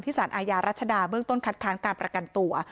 สารอาญารัชดาเบื้องต้นคัดค้านการประกันตัว